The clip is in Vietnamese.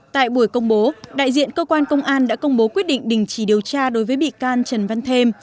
tại buổi công bố đại diện cơ quan công an đã công bố quyết định đình chỉ điều tra đối với bị can trần văn thêm